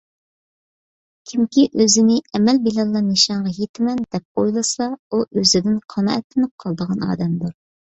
كىمكى ئۆزىنى ئەمەل بىلەنلا نىشانغا يېتىمەن، دەپ ئويلىسا ئۇ ئۆزىدىن قانائەتلىنىپ قالىدىغان ئادەمدۇر.